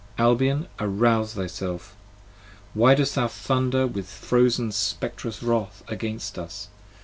Albion! arouze thyself! Why dost thou thunder with frozen Spectrous wrath against us?